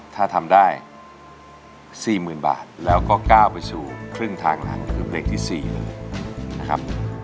ถ้าทำได้๔๐๐๐บาทแล้วก็ก้าวไปสู่ครึ่งทางหลังคือเพลงที่๔เลยนะครับ